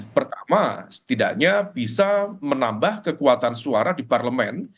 pertama setidaknya bisa menambah kekuatan suara di parlemen